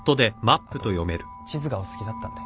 あと地図がお好きだったんで。